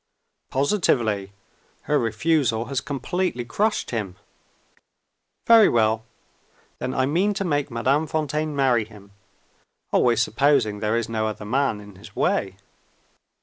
"Positively. Her refusal has completely crushed him." "Very well. Then I mean to make Madame Fontaine marry him always supposing there is no other man in his way."